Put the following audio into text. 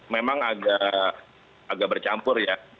memang agak bercampur ya